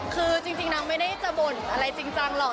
คือจริงนางไม่ได้จะบ่นอะไรจริงจังหรอก